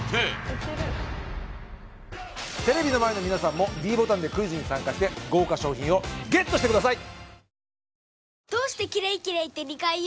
テレビの前の皆さんもｄボタンでクイズに参加して豪華賞品をＧＥＴしてください